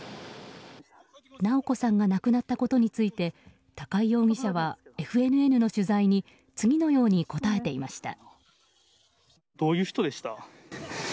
直子さんが亡くなったことについて高井容疑者はＦＮＮの取材に次のように答えていました。